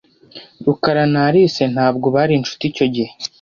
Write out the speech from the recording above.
Rukara na Alice ntabwo bari inshuti icyo gihe.